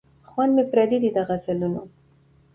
خوند مي پردی دی د غزلونو